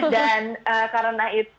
dan karena itu